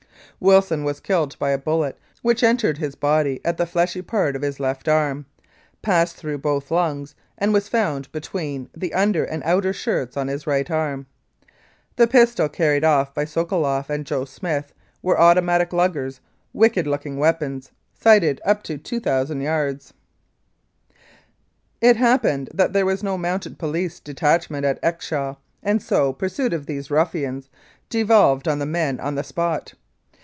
Wilson was killed by a bullet which entered his body at the fleshy part of his left arm, passed through both lungs, and was found between the under and outer shirts on his right arm. The pistols carried by Sokoloff and "Joe Smith" were automatic Lugers wicked looking weapons, sighted up to 2,000 yards. It happened that there was no Mounted Police de tachment at Exshaw, and so pursuit of these ruffians devolved on the men on the spot.